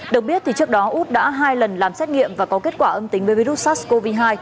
được biết thì trước đó út đã hai lần làm xét nghiệm và có kết quả âm tính với virus sars cov hai